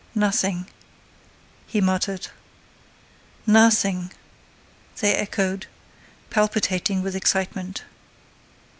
"Nothing," he muttered. "Nothing," they echoed, palpitating with excitement.